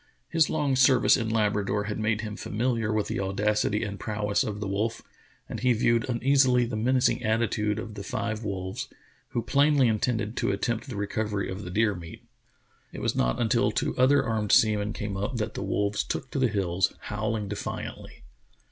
His long service in Labrador had made him familiar with the audacity and prowess of the wolf, and he viewed uneasily the menacing attitude of the five w^olves, who plainly intended to attempt the recovery of the deer meat. It was not until two other armed men came up that the wolves took to the hills, howling de fiantly.